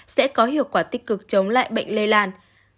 sẽ có hiệu quả tích cực chống lại bệnh lây lan